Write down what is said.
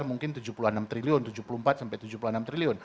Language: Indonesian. menghajarkan sisa lagi